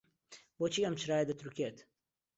بۆچی ئەم چرایە دەترووکێت؟